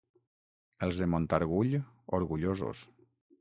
Els de Montargull, orgullosos.